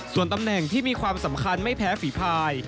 ส่วนตำแหน่งที่มีความสำคัญไม่แพ้ฝีพาย